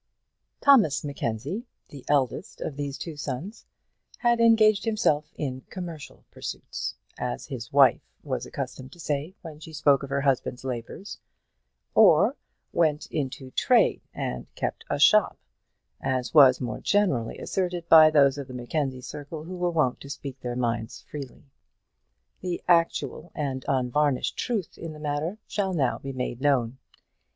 Thomas Mackenzie, the eldest of those two sons, had engaged himself in commercial pursuits as his wife was accustomed to say when she spoke of her husband's labours; or went into trade, and kept a shop, as was more generally asserted by those of the Mackenzie circle who were wont to speak their minds freely. The actual and unvarnished truth in the matter shall now be made known.